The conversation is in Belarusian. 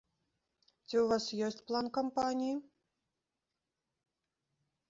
Ці ў вас ёсць план кампаніі?